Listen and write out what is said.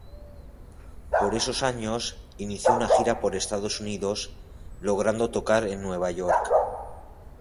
Por esos años, inició una gira por Estados Unidos, logrando tocar en Nueva York.